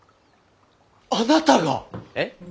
あなたが！？えっ？